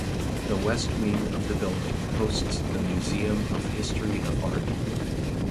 The west wing of the building hosts the Museum of History of Art.